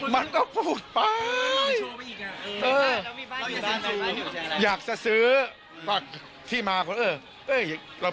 มีคนเดียวลูกครับ๒ครับ